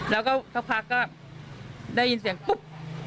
แล้วก็พักได้ยินเสียงปุ๊บ